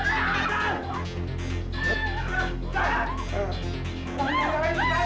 siapa yang mencuri promosi ini